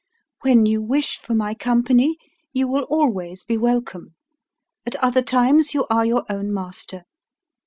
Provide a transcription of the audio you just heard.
When you wish for my company you will always be welcome. At other times you are your own master.